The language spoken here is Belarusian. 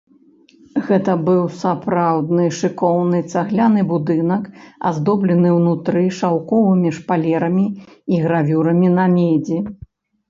Гэта быў сапраўдны шыкоўны цагляны будынак, аздоблены ўнутры шаўковымі шпалерамі і гравюрамі на медзі.